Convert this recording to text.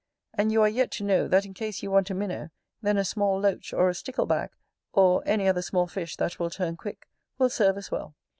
And you are yet to know, that in case you want a minnow, then a small loach, or a stickle bag, or any other small fish that will turn quick, will serve as well.